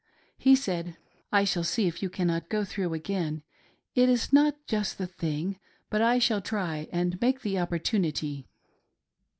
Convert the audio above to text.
He said :" I shall see if you cannot go through again ; it is not just the thing, but I shall try and make the opportunity."